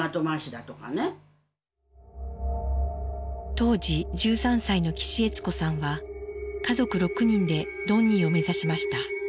当時１３歳の岸悦子さんは家族６人でドンニーを目指しました。